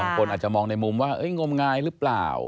บางคนอาจจะมองในมุมว่าเอ๊ะงงงายหรือเปล่า